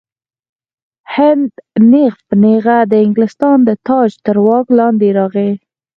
هند نیغ په نیغه د انګلستان د تاج تر واک لاندې راغی.